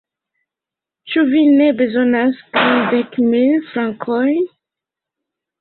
Ĉu vi ne bezonas kvindek mil frankojn?